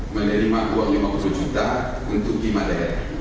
menerima uang lima puluh juta untuk gimana